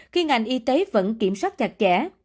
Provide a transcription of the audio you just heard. khi ngành y tế vẫn kiểm soát chặt chẽ